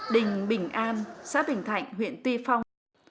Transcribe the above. đình bình an xã bình thạnh huyện tuy phong